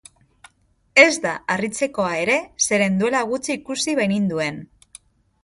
Ez da harritzekoa ere, zeren duela gutxi ikusi baininduen.